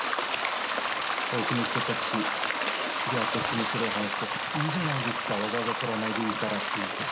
多くの人たち出会った人にそれを話すと「いいじゃないですかわざわざ剃らないでいいから」って言う人も。